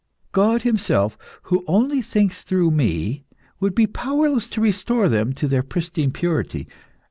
God Himself, who only thinks through me, would be powerless to restore them to their pristine purity.